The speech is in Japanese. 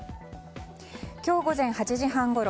今日午前８時半ごろ